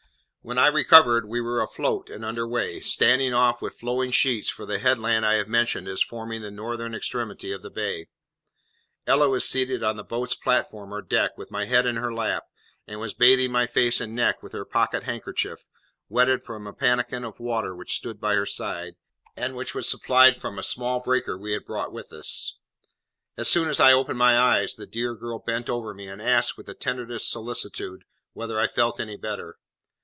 When I recovered, we were afloat and under way, standing off, with flowing sheets, for the headland I have mentioned as forming the northern extremity of the bay. Ella was seated on the boat's platform or deck, with my head in her lap, and was bathing my face and neck with her pocket handkerchief, wetted from a pannikin of water which stood by her side, and which was supplied from a small breaker we had brought with us. As soon as I opened my eyes the dear girl bent over me, and asked, with the tenderest solicitude, whether I felt any better.